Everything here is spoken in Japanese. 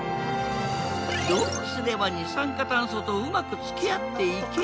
どうすれば二酸化炭素とうまくつきあっていけるか。